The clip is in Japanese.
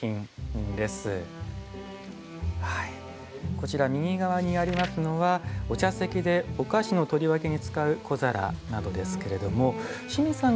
こちら右側にありますのはお茶席でお菓子の取り分けに使う小皿などですけれども清水さん